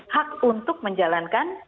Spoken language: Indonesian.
hak untuk menjalankan